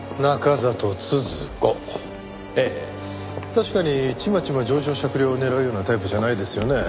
確かにちまちま情状酌量を狙うようなタイプじゃないですよね。